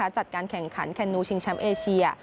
จัดการแข่งขันแคนนูชิงแชมป์เอเชีย